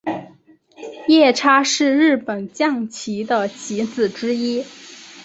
夜叉是日本将棋的棋子之一。